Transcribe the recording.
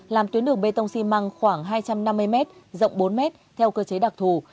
làm tuyến đường bê tông xi măng khoảng hai trăm năm mươi m rộng bốn m theo cơ chế đặc thù